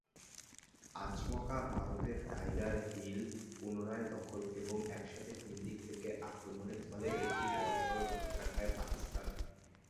আচমকা ভারতের Tiger Hill পুনরায় দখল এবং একসাথে তিন দিক থেকে আক্রমণের ফলে একটি বড়সড় ধাক্কা খায় পাকিস্তান।